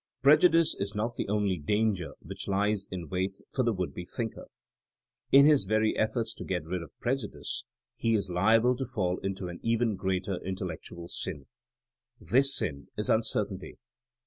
Prejudice is not the only danger which lies in wait for the would be thinker. In his very ef forts to get rid of prejudice he is liable to fall into an even greater intellectual sin. This sin is uncertainty.